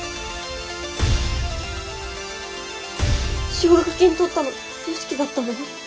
奨学金取ったの良樹だったの？